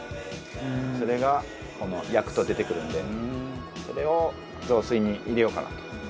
それが焼くと出てくるのでそれを雑炊に入れようかなと思ってます。